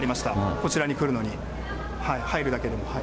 こちらに来るのに、入るだけでも。